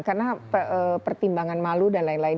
karena pertimbangan malu dan lain lain